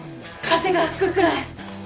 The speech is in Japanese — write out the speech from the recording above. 風が吹くくらい。